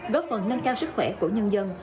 góp phần nâng cao sức khỏe của nhân dân